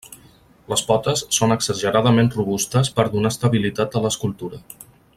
Les potes són exageradament robustes per donar estabilitat a l'escultura.